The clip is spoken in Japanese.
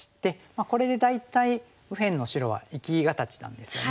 これで大体右辺の白は生き形なんですよね。